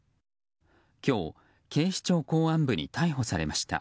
今日、警視庁公安部に逮捕されました。